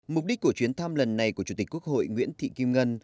mục đích của chuyến thăm lần này của chủ tịch quốc hội nguyễn thị kim ngân